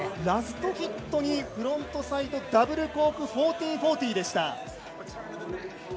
ラストヒットにフロントサイドダブルコーク１４４０でした。